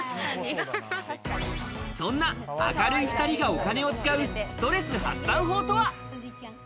そんな明るい２人がお金を使うストレス発散法とは？